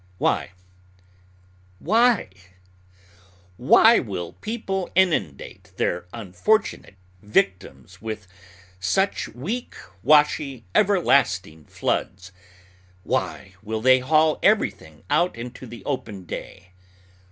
Why, why, WHY will people inundate their unfortunate victims with such "weak, washy, everlasting floods?" Why will they haul everything out into the open day?